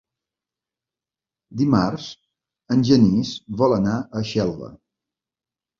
Dimarts en Genís vol anar a Xelva.